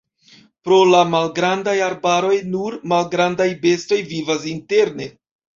Pro la malgrandaj arbaroj nur malgrandaj bestoj vivas interne.